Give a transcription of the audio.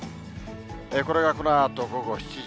これがこのあと午後７時。